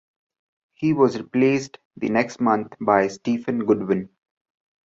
He was replaced the next month by Stephen Goodwin.